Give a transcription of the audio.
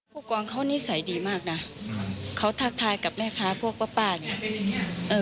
พวกกองเขานิสัยดีมากนะเขาทักทายกับแม่พ้าพวกป้าอย่างนี้